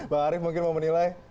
bang arief mungkin mau menilai